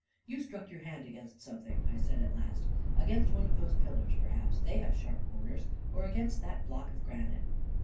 "You struck your hand against something," I said at last; " against one of those pillars, perhaps — they have sharp corners — or against that block of granite."